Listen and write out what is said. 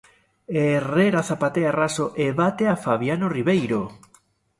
Herrera zapatea raso e bate a Fabiano Ribeiro.